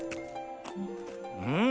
うん！